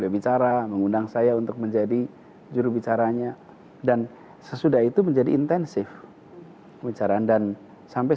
bicara mengundang saya untuk menjadi jurubicaranya dan sesudah itu menjadi intensif pembicaraan dan sampai